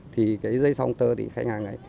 thì cái dây sóng tơ thì khách hàng